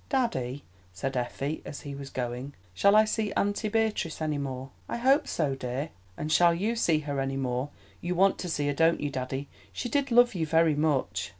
"Daddy," said Effie, as he was going, "shall I see auntie Beatrice any more?" "I hope so, dear." "And shall you see her any more? You want to see her, don't you, daddy? She did love you very much!"